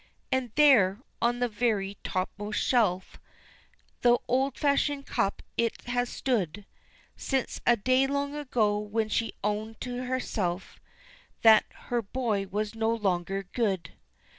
And there, on the very topmost shelf, The old fashioned cup it has stood, Since a day long ago when she owned to herself That her boy was no longer good.